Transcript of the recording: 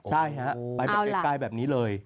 ใช่ฮะไปไกลแบบนี้เลย